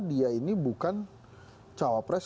dia ini bukan cawapres